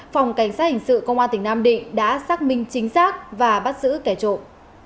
phòng cảnh sát hình sự công an tỉnh nam định đã xác minh chính xác và bắt giữ kẻ trộm